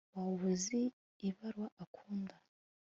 waba uzi ibara akunda